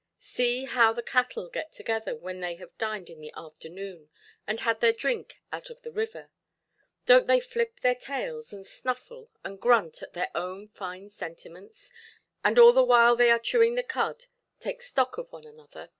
See how the cattle get together when they have dined in the afternoon, and had their drink out of the river. Donʼt they flip their tails, and snuffle, and grunt at their own fine sentiments, and all the while they are chewing the cud take stock of one another?